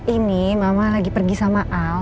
ini mama lagi pergi sama al